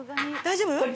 大丈夫？